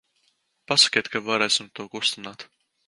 Pasakiet, kad varēsim to kustināt.